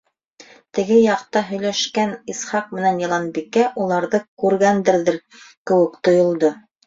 Теге яҡта һөйләшкән Исхаҡ менән Яланбикә уларҙы күргәндәрҙер кеүек тойолдо.